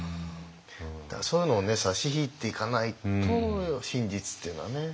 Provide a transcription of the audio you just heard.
そういうのを差し引いていかないと真実っていうのはね